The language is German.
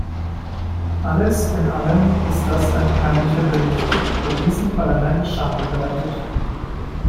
Alles in allem ist das ein peinlicher Bericht, der diesem Parlament Schande bereitet!